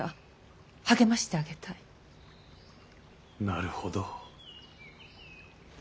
なるほど。